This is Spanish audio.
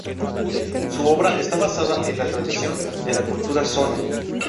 Su obra está basada en la tradición de la cultura Shona.